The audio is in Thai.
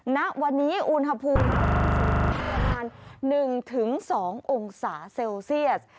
ณวันนี้อุณหภูมิประมาณ๑๒องศาเซลเซียส